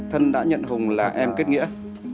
thân đã nhận hùng là em kết nghĩa